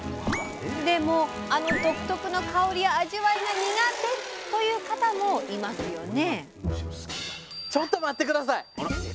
でもあの独特の香りや味わいが苦手という方もいますよね。